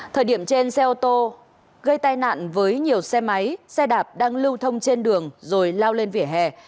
thời điểm trên xe ô tô gây tai nạn với nhiều xe máy xe đạp đang lưu thông trên đường rồi lao lên vỉa hè